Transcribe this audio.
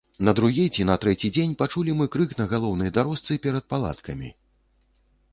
На другі ці на трэці дзень пачулі мы крык на галоўнай дарожцы перад палаткамі.